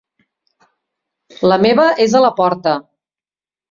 La meva és a la porta.